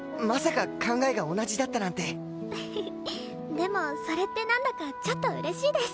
でもそれってなんだかちょっと嬉しいです。